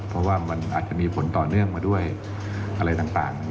เพราะว่ามันอาจจะมีผลต่อเนื่องมาด้วยอะไรต่าง